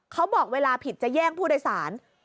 เขาบอกเวลาผิดจะแย่งผู้โดยสาร